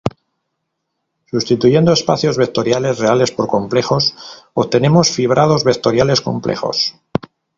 Substituyendo espacios vectoriales reales por complejos, obtenemos fibrados vectoriales complejos.